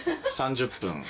３０分。